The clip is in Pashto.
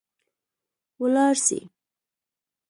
ولاړ سئ